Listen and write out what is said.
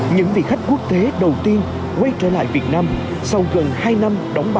những vị khách quốc tế đầu tiên quay trở lại việt nam sau gần hai năm đóng